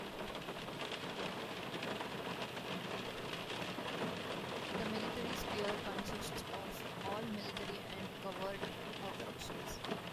The Military sphere consists of all military and covert operations.